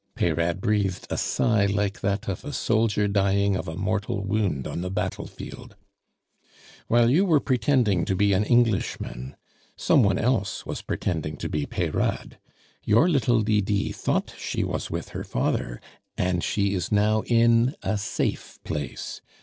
Peyrade breathed a sigh like that of a soldier dying of a mortal wound on the battlefield. "While you were pretending to be an Englishman, some one else was pretending to be Peyrade. Your little Lydie thought she was with her father, and she is now in a safe place.